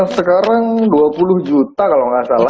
sekarang dua puluh juta kalau nggak salah